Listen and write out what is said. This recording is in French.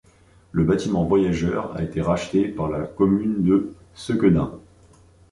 Le bâtiment voyageurs a été racheté par la commune de Sequedin.